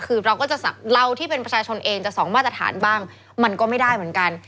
คือเราก็จะเราที่เป็นประชาชนเองจะสองมาตรฐานบ้างมันก็ไม่ได้เหมือนกัน